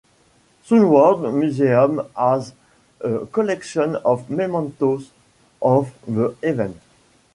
Southwold Museum has a collection of mementos of the event.